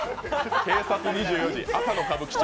警察２４時、朝の歌舞伎町。